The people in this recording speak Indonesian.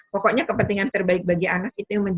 pokoknya kepentingan terbaik bagi anak itu yang menjadi